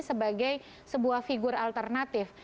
sebagai sebuah figur alternatif